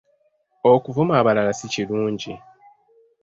Okuvuma abalala si kirungi.